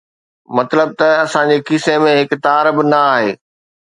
مطلب ته اسان جي کيسي ۾ هڪ تار به نه آهي